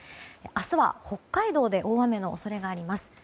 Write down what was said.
明日は北海道で大雨の恐れがあります。